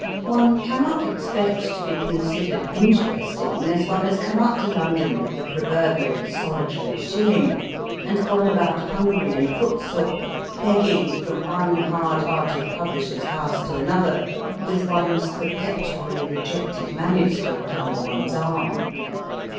One cannot expect to be con sidered interesting, unless one has come up to London with the proverbial solitary shilling, and gone about hungry and footsore, begging from one hard hearted publisher s house to another with one s perpetually rejected manuscript under one s arm.